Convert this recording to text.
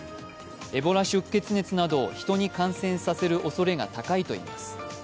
エボラ出血熱などを人に感染させるおそれが高いといいます。